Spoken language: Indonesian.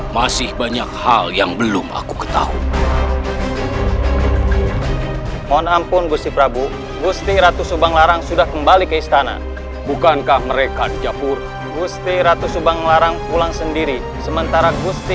baiklah kalau begitu kami harus lanjutkan perjalanan kami